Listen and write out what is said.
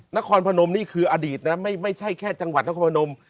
นครพนมนี่คืออดีตนะไม่ใช่แค่จังหวัดนครพนม